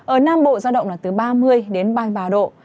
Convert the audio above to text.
ở nam bộ giao động là từ ba mươi đến ba mươi ba độ